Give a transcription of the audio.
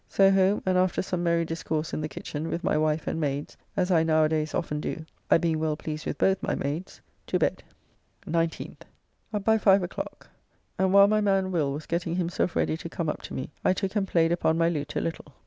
So home, and after some merry discourse in the kitchen with my wife and maids as I now a days often do, I being well pleased with both my maids, to bed. 19th. Up by five o'clock, and while my man Will was getting himself ready to come up to me I took and played upon my lute a little.